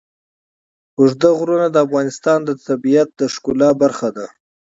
اوږده غرونه د افغانستان د طبیعت د ښکلا برخه ده.